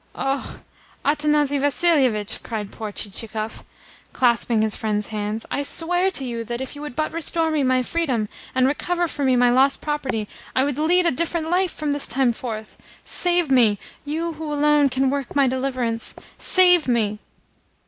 "Ah, Athanasi Vassilievitch," cried poor Chichikov, clasping his friend's hands, "I swear to you that, if you would but restore me my freedom, and recover for me my lost property, I would lead a different life from this time forth. Save me, you who alone can work my deliverance! Save me!"